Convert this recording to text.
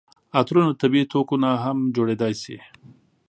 عطرونه د طبیعي توکو نه هم جوړیدای شي.